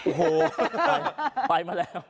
โอ้โหไปมาแล้ว